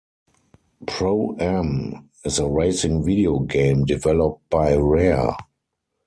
Pro-Am is a racing video game developed by Rare.